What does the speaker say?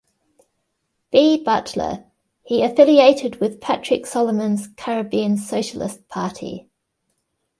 B. Butler, he affiliated with Patrick Solomon's Caribbean Socialist Party.